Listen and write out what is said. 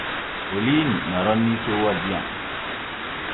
Ooliini na roonii soowa diyam.